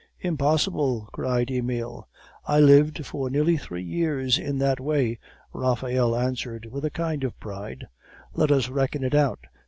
"Impossible!" cried Emile. "I lived for nearly three years in that way," Raphael answered, with a kind of pride. "Let us reckon it out.